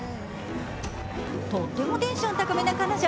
とってもテンション高めな彼女。